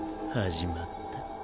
始まった。